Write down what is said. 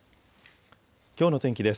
きょうの天気です。